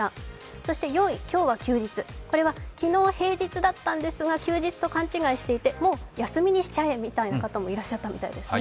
そして４位、今日は休日、これは昨日、平日だったんですが休日と勘違いしていてもう休みにしちゃえみたいな方もいらっしゃったみたいですね。